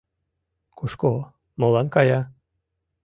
Кушко, молан кая?